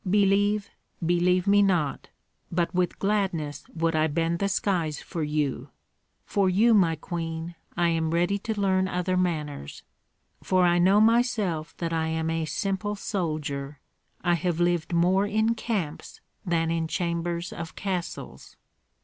Believe, believe me not, but with gladness would I bend the skies for you. For you, my queen, I am ready to learn other manners; for I know myself that I am a simple soldier, I have lived more in camps than in chambers of castles."